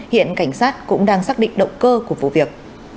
hiện cảnh sát cũng đang xác định động cơ của vụ việc